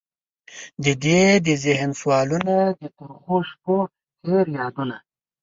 ددې د ذهن سوالونه، د ترخوشپوتیر یادونه